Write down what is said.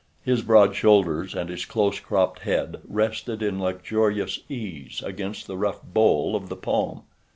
His broad shoulders and his close cropped head rested in luxurious ease against the rough bole of the palm.